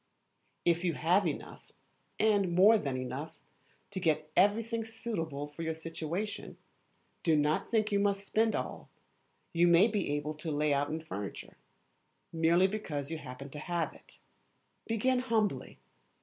If you have enough, and more than enough, to get everything suitable to your situation, do not think you must spend all, you may be able to lay out in furniture, merely because you happen to have it. Begin humbly.